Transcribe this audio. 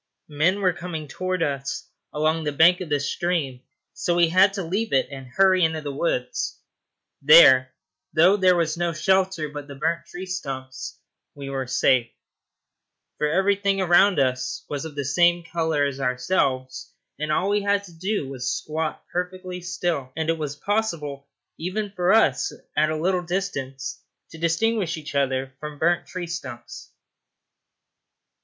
Men were coming towards us along the bank of the stream, so we had to leave it and hurry into the woods. There, though there was no shelter but the burnt tree stumps, we were safe; for everything around us was of the same colour as ourselves, and all we had to do was to squat perfectly still, and it was impossible even for us, at a little distance, to distinguish each other from burnt tree stumps.